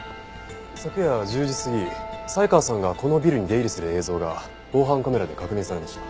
昨夜１０時過ぎ才川さんがこのビルに出入りする映像が防犯カメラで確認されました。